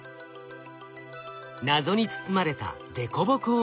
謎に包まれた凸凹泳ぎ。